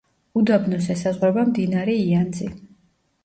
უდაბნოს ესაზღვრება მდინარე იანძი.